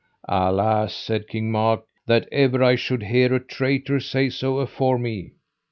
Alas, said King Mark, that ever I should hear a traitor say so afore me.